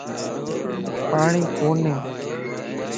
پاڻين ڪوني.